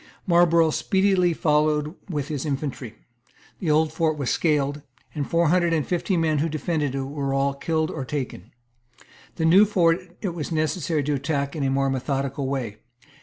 Marlborough speedily followed with his infantry. The Old Fort was scaled; and four hundred and fifty men who defended it were all killed or taken. The New Fort it was necessary to attack in a more methodical way.